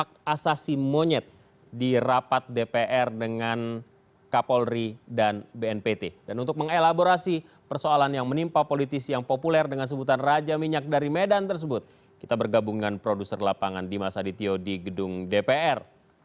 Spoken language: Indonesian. kita bergabung dengan produser lapangan dimas adityo di gedung dpr